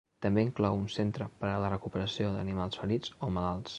També inclou un centre per la recuperació d'animals ferits o malalts.